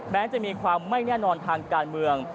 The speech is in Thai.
แม้จะมีความไม่แน่นอนทางการเมือง